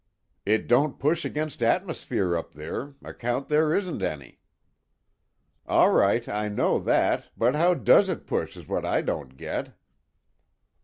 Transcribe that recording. "It don't push against atmosphere up there, account there isn't any." "All right, I know that, but how does it push, 's what I don't get?"